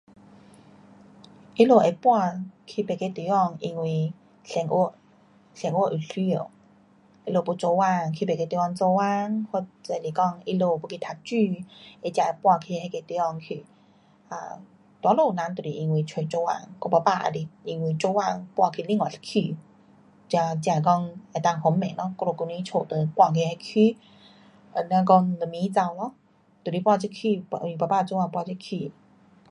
他们可以搬到别的地方，因为生活生活有需要。他们要工作去别的地方工作我就是说他们要去读书，所以他们搬去那地方去哪里人都是为了去做工我爸爸也因为工作搬到另一个区。然后就 [unintelligible] 房子搬到这个区 [unintelligible] 爸爸工作搬这区